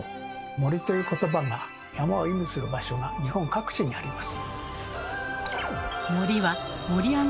「森」ということばが山を意味する場所が日本各地にあります。